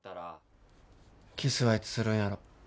キスはいつするんやろ。